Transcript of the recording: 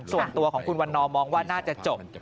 ส่วนตัวของคุณวันนอมองว่าน่าจะจบ